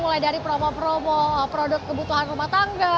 mulai dari promo promo produk kebutuhan rumah tangga